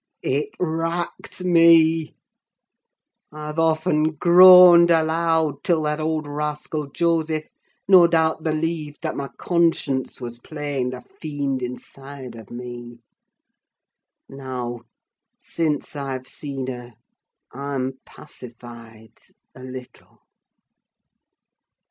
It racked me! I've often groaned aloud, till that old rascal Joseph no doubt believed that my conscience was playing the fiend inside of me. Now, since I've seen her, I'm pacified—a little.